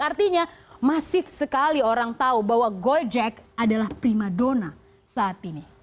artinya masif sekali orang tahu bahwa gojek adalah prima dona saat ini